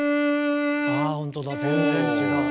ほんとだ全然違う。